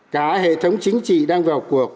cả hệ thống chính trị đang vào cuộc